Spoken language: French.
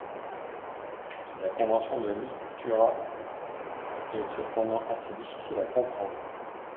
La convention de Louis Couturat est cependant assez difficile à comprendre.